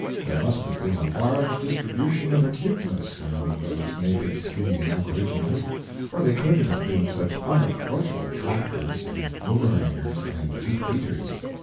There must have been a large distribution of acuteness among those naked skinny aboriginals, or they couldn't have been such unapproachable trackers and boomerangers and weet weeters.